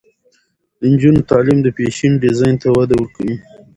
د نجونو تعلیم د فیشن ډیزاین ته وده ورکوي.